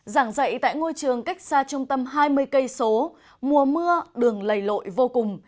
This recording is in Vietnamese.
giảng dạy tại ngôi trường cách xa trung tâm hai mươi km mùa mưa đường lầy lội vô cùng